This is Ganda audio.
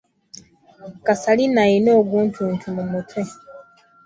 Kasalina alina oguntuntu mu mutwe.